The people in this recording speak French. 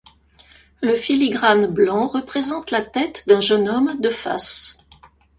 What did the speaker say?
Le filigrane blanc représente la tête d'un jeune homme de face.